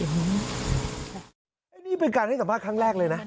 อันนี้เป็นการให้สัมภาษณ์ครั้งแรกเลยนะ